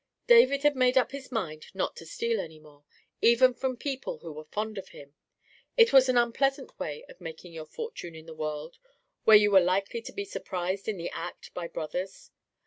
David had made up his mind not to steal any more, even from people who were fond of him: it was an unpleasant way of making your fortune in a world where you were likely to surprised in the act by brothers.